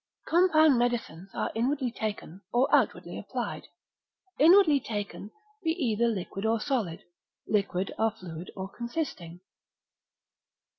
Compound medicines are inwardly taken, or outwardly applied. Inwardly taken, be either liquid or solid: liquid, are fluid or consisting.